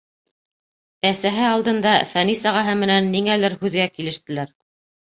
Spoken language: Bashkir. Әсәһе алдында Фәнис ағаһы менән ниңәлер һүҙгә килештеләр.